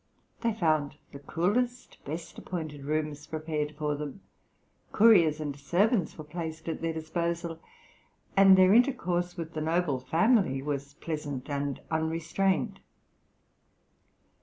They found the coolest, best appointed rooms prepared for them; couriers and servants were placed at their disposal, and their intercourse with the noble family was pleasant and unrestrained.